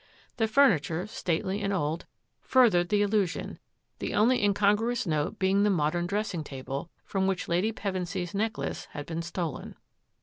The furniture, stately and old, furthered the illusion, the only incongruous note being the modem dressing table, from which Lady Pevensy's necklace had been stolen.